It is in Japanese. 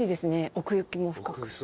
奥行きも深くて。